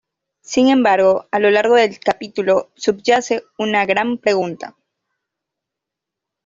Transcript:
Sin embargo, a lo largo del capítulo subyace una gran pregunta.